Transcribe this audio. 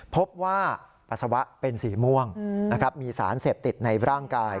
พบว่าภาษาวะเป็นสีม่วงมีสารเสพติดในร่างกาย